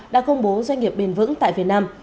đã công bố doanh nghiệp bền vững tại việt nam